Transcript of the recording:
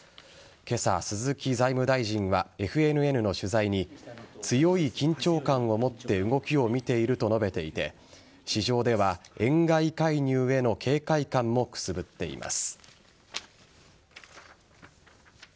今朝、鈴木財務大臣はＦＮＮの取材に強い緊張感を持って動きを見ていると述べていて市場では円買い介入への警戒感もくすぶっています。